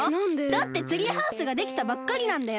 だってツリーハウスができたばっかりなんだよ！